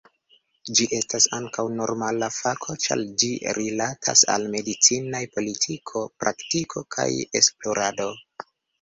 Ĝi estas ankaŭ morala fako ĉar ĝi rilatas al medicinaj politiko, praktiko, kaj esplorado.